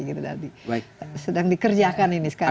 sedang dikerjakan ini sekarang